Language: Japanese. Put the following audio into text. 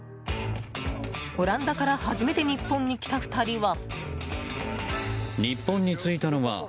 オランダから初めて日本に来た２人は。